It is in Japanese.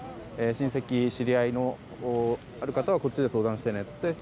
親戚、知り合いのある方はこっちで相談してねと。